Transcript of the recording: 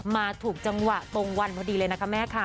มาถูกจังหวะตรงวันพอดีเลยนะคะแม่ค่ะ